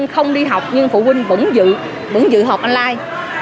không đi học nhưng phụ huynh vẫn dự vẫn dự họp online